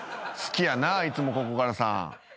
好きやないつもここからさん。